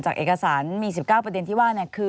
จากเอกสารมี๑๙ประเด็นที่ว่า